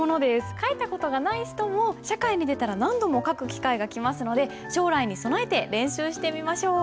書いた事がない人も社会に出たら何度も書く機会が来ますので将来に備えて練習してみましょう。